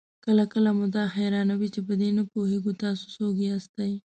کله کله مو دا حيرانوي چې په دې نه پوهېږئ تاسې څوک ياستئ؟